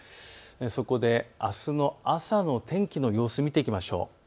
そこであすの朝の天気の様子を見ていきましょう。